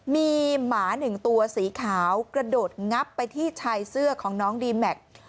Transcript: มีหมาหนึ่งตัวสีขาวกระโดดงับไปที่ชายเสื้อของน้องดีแม็กซ์